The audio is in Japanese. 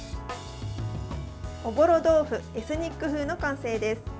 おぼろ豆腐エスニック風の完成です。